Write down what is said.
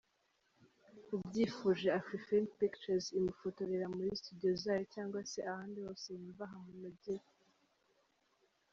Ubyifuje Afrifame Pictures imufotorera muri Studio zayo cyangwa se ahandi hose yumva hamunogeye.